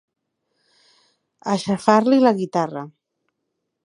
Aixafar-li la guitarra.